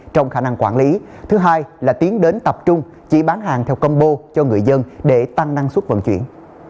trong khả năng quản lý thứ hai là tiến đến tập trung chỉ bán hàng theo combo cho người dân để tăng năng suất vận chuyển